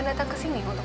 jadi kita sendiriyesus